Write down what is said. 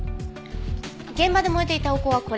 現場で燃えていたお香はこれ。